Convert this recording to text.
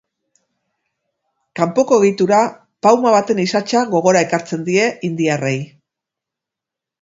Kanpoko egitura pauma baten isatsa gogora ekartzen die indiarrei.